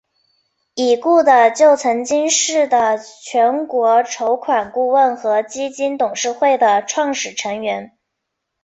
已故的就曾经是的全国筹款顾问和基金董事会的创始成员。